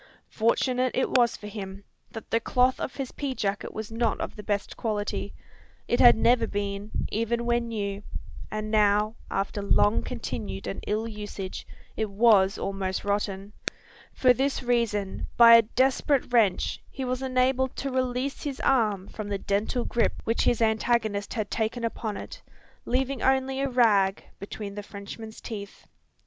Fortunate it was for him, that the cloth of his pea jacket was not of the best quality. It had never been, even when new; and now, after long continued and ill usage, it was almost rotten. For this reason, by a desperate wrench, he was enabled to release his arm from the dental grip which his antagonist had taken upon it, leaving only a rag between the Frenchman's teeth.